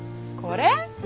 これ？